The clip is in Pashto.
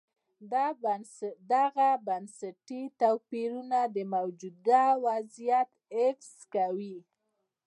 دغه بنسټي توپیرونه د موجوده وضعیت حفظ کوي.